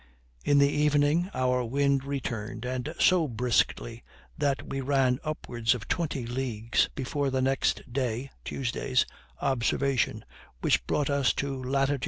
In the evening our wind returned, and so briskly, that we ran upwards of twenty leagues before the next day's [Tuesday's] observation, which brought us to lat.